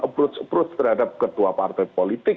approach approach terhadap ketua partai politik